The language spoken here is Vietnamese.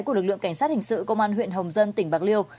của lực lượng cảnh sát hình sự công an huyện hồng dân tỉnh bạc liêu